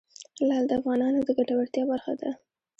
لعل د افغانانو د ګټورتیا برخه ده.